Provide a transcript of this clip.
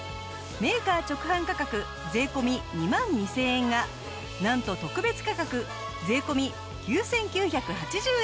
メーカー直販価格税込２万２０００円がなんと特別価格税込９９８０円。